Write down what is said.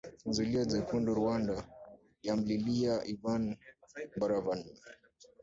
ZULIA JEKUNDU Rwanda yamlilia Yvan Buravan